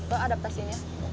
gak ada yang mau nanya